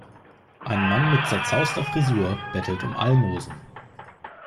Ein Mann mit zerzauster Frisur bettelt um Almosen.